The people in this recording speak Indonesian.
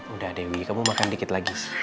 udah dewi kamu makan dikit lagi